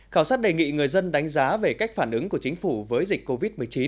khảo sát đề nghị người dân đánh giá về cách phản ứng của chính phủ với dịch covid một mươi chín